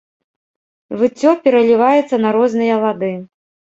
Выццё пераліваецца на розныя лады.